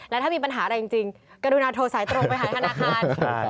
แล้วถ้ามีปัญหาอะไรจริงกรุณาโทรสายตรงไปหาธนาคาร